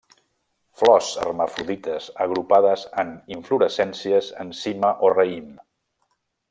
Flors hermafrodites agrupades en inflorescències en cima o raïm.